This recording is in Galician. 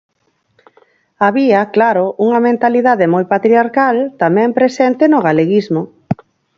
Había, claro, unha mentalidade moi patriarcal, tamén presente no galeguismo.